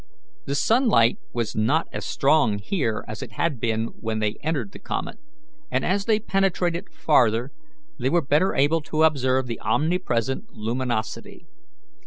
The sunlight was not as strong here as it had been when they entered the comet, and as they penetrated farther they were better able to observe the omnipresent luminosity.